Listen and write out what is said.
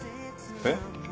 えっ？